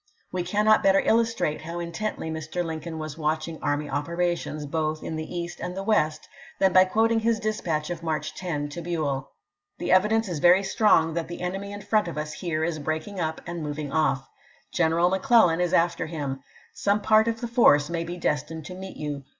We cannot better illustrate how intently Mr. Lincoln was watching army operations, both in the East and the West, than by quoting his dispatch of March 10 to Buell :" The evidence is very strong that the enemy in front of us here is breaking up Lincoln to and moving off. Greneral McClellan is after him. MarcbHo, Some part of the force may be destined to meet you.